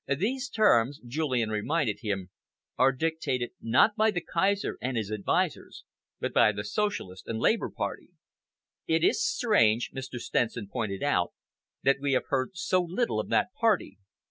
"These terms," Julian reminded him, "are dictated, not by the Kaiser and his advisers, but by the Socialist and Labour Party." "It is strange," Mr. Stenson pointed out, "that we have heard so little of that Party.